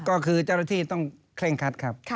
ก็คือเจ้าหน้าที่ต้องเคร่งคัดครับ